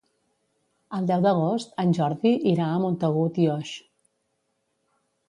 El deu d'agost en Jordi irà a Montagut i Oix.